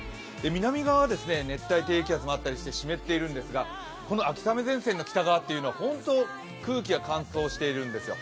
南側は、熱帯低気圧もあったりして湿っているんですが、この秋雨前線の北側は本当に空気が乾燥しているんですよ。